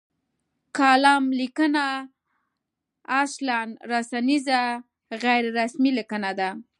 کالم لیکنه اصلا رسنیزه غیر رسمي لیکنه ده.